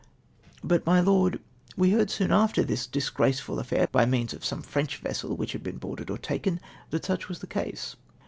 ''" But. my Lord, we heard soon after this disgraceful affair, bv means of some French vessel which had been boarded or taken, that such was the case.